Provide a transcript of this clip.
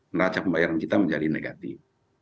neraca pembayaran kita menjadi negatif